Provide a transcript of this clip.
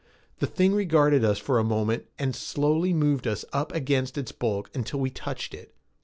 The thing regarded us for a moment and slowly moved us up against its bulk until we touched it.